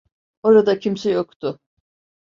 Orada kimse yoktu.